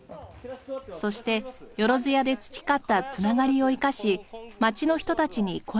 そしてよろづやで培ったつながりを生かし町の人たちに声をかけます。